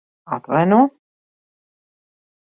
Atvaino?